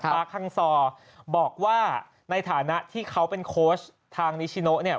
มาคังซอร์บอกว่าในฐานะที่เขาเป็นโค้ชทางนิชิโนเนี่ย